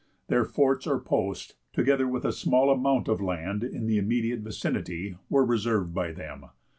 Their forts or posts, together with a small amount of land in the immediate vicinity, were reserved by them.